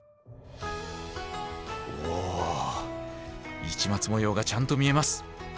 お市松模様がちゃんと見えます。